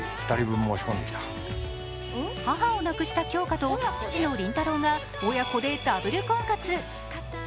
母を亡くした杏花と父の林太郎が親子でダブル婚活。